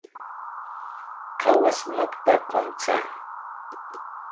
¿Qawas makta, quntza?